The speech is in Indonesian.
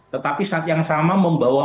tetapi saat yang sama membawa